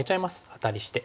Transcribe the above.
アタリして。